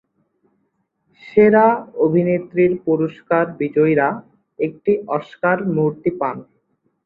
সেরা অভিনেত্রীর পুরস্কার বিজয়ীরা একটি অস্কার মূর্তি পান।